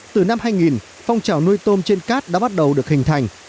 từ năm hai nghìn phong trào nuôi tôm trên cát đã bắt đầu được hình thành